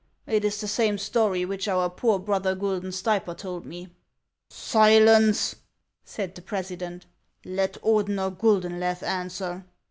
It is the same story which our poor brother Guidon Stay per told me." " Silence," said the president ;" let Urdener Guldenlew answer."